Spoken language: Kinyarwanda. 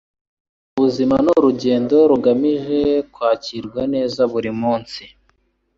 Ubuzima ni urugendo rugamije kwakirwa neza buri munsi.